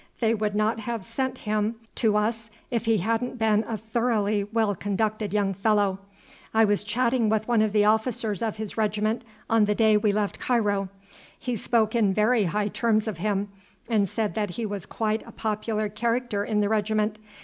They would not have sent him to us if he hadn't been a thoroughly well conducted young fellow. I was chatting with one of the officers of his regiment on the day we left Cairo; he spoke in very high terms of him, and said that he was quite a popular character in the regiment.